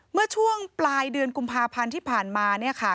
เมื่อช่วงปลายเดือนกุมภาพันธ์ที่ผ่านมา